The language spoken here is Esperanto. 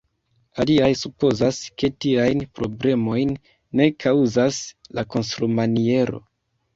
Aliaj supozas, ke tiajn problemojn ne kaŭzas la konstrumaniero.